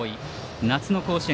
夏の甲子園